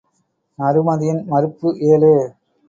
நருமதையின் மறுப்பு ஏழு.